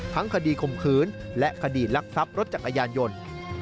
คดีข่มขืนและคดีลักทรัพย์รถจักรยานยนต์